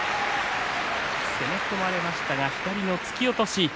攻め込まれましたが左の突き落とし。